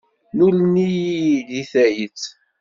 Nnulen-iyi-d deg tayet.